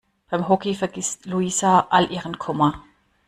Beim Hockey vergisst Luisa all ihren Kummer.